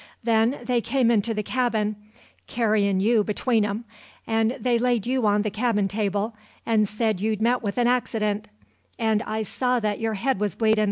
Then they came into the cabin, carryin' you between 'em; and they laid you on the cabin table, and said you'd met with an accident; and I saw that your head was bleedin'.